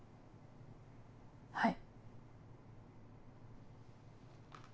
はい。